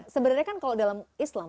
sebenarnya kan kalau dalam islam